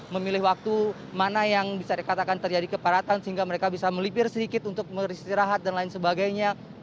memilih waktu mana yang bisa dikatakan terjadi kepadatan sehingga mereka bisa melipir sedikit untuk beristirahat dan lain sebagainya